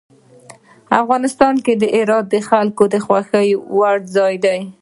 افغانستان کې هرات د خلکو د خوښې وړ ځای دی.